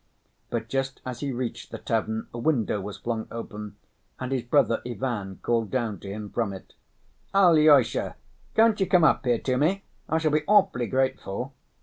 But just as he reached the tavern, a window was flung open, and his brother Ivan called down to him from it. "Alyosha, can't you come up here to me? I shall be awfully grateful."